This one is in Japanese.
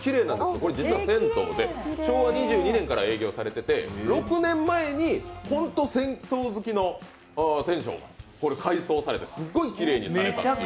これ実は銭湯で昭和２２年から営業されていて、６年前に本当銭湯好きの店長が改修されてすごいきれいになったんですよ